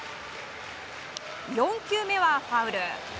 ４球目はファウル。